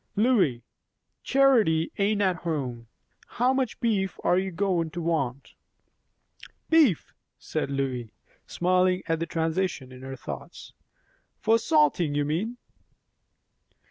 "Lois, Charity ain't at home How much beef are you goin' to want?" "Beef?" said Lois, smiling at the transition in her thoughts. "For salting, you mean?"